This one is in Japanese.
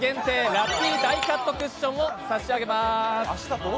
ラッピーダイカットクッションを差し上げます。